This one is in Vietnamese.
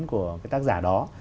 của tác giả đó